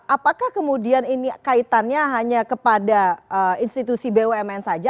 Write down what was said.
apakah kemudian ini kaitannya hanya kepada institusi bumn saja